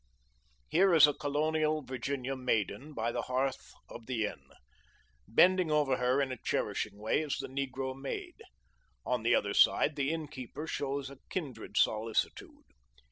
Here is a colonial Virginia maiden by the hearth of the inn. Bending over her in a cherishing way is the negro maid. On the other side, the innkeeper shows a kindred solicitude.